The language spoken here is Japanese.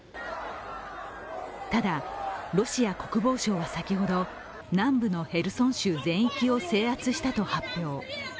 ただ、ロシア国防省は先ほど南部のヘルソン州全域を制圧したと発表。